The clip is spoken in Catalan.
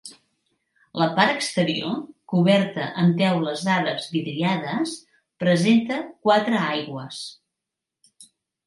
La part exterior, coberta amb teules àrabs vidriades, presenta quatre aigües.